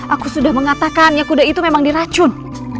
aku sudah mengatakannya kuda itu memang diracun